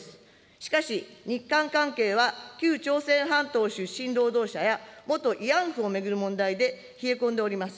しかし日韓関係は旧朝鮮半島出身労働者や、元慰安婦を巡る問題で冷え込んでおります。